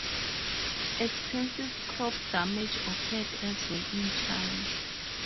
Extensive crop damage occurred as well in China.